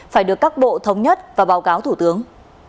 phải được các bộ thống nhất và báo cáo thủ tướng